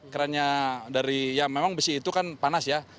kerannya dari ya memang besi itu kan panas ya